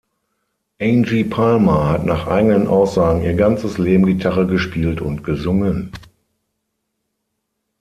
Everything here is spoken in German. Angie Palmer hat nach eigenen Aussagen „ihr ganzes Leben Gitarre gespielt und gesungen“.